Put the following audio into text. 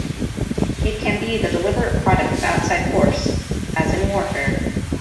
It can be the deliberate product of outside force, as in warfare.